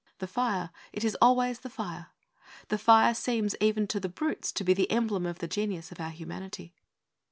The fire; it is always the fire. The fire seems, even to the brutes, to be the emblem of the genius of our humanity.